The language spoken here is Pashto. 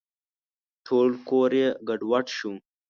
ټول کور یې ګډوډ شو .